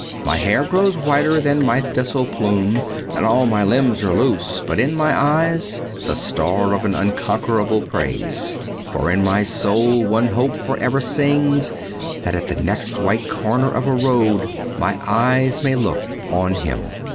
My hair grows whiter than my thistle plume And all my limbs are loose ; but in my eyes The star of an unconquerable praise : For in my soul one hope for ever sings, That at the next white corner of a road My eyes may look on Him.